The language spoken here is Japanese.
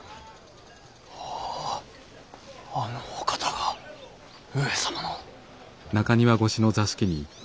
おぉあのお方が上様の。